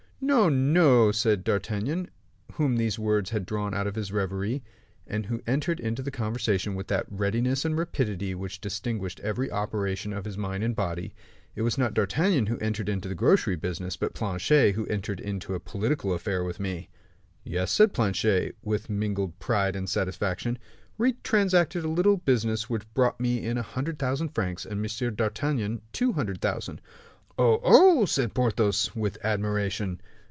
"No, no," said D'Artagnan, whom these words had drawn out of his reverie, and who entered into the conversation with that readiness and rapidity which distinguished every operation of his mind and body. "It was not D'Artagnan who entered into the grocery business, but Planchet who entered into a political affair with me." "Yes," said Planchet, with mingled pride and satisfaction, "we transacted a little business which brought me in a hundred thousand francs and M. d'Artagnan two hundred thousand." "Oh, oh!" said Porthos, with admiration.